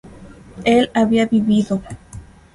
él había vivido